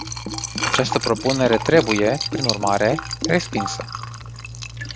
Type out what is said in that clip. Această propunere trebuie, prin urmare, respinsă.